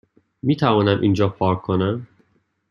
میتوانم اینجا پارک کنم؟